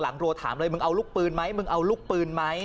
หลังโรวร์ถามเลยมึงเอาลูกปืนไหม